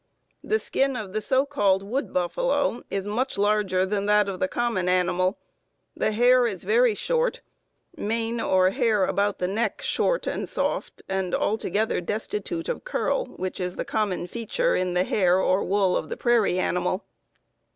The skin of the so called wood buffalo is much larger than that of the common animal, the hair is very short, mane or hair about the neck short and soft, and altogether destitute of curl, which is the common feature in the hair or wool of the prairie animal.